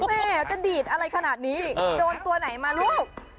แม่จะดีดอะไรขนาดนี้โดนตัวไหนมาลูก